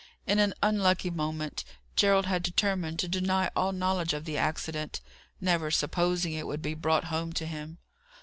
In an unlucky moment, Gerald had determined to deny all knowledge of the accident, never supposing it would be brought home to him.